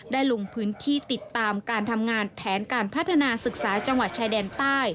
ลงพื้นที่ติดตามการทำงานแผนการพัฒนาศึกษาจังหวัดชายแดนใต้